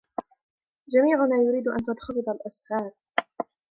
جميعنا يريد أن تنخفض الأسعار.